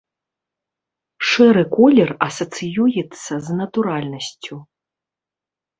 Шэры колер асацыюецца з натуральнасцю.